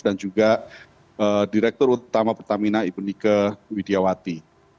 dan juga direktur utama pertamina ibu nika widiawati